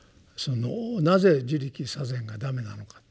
なぜ「自力作善」が駄目なのか。